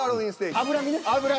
脂身ね。